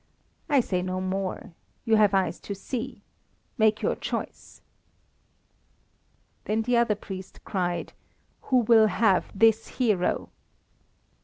I say no more. You have eyes to see. Make your choice." Then the other priest cried: "Who will have this hero?"